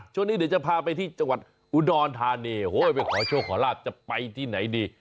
ช่วงนี้เดี๋ยวจะพาไปที่จังหวัดอุดรธานีไปขอโชคขอลาบจะไปที่ไหนดี